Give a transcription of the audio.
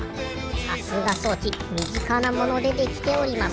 さすが装置みぢかなものでできております。